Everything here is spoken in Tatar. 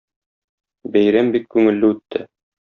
Бәйрәм бик күңелле үтте.